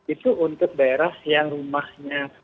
itu untuk daerah yang rumahnya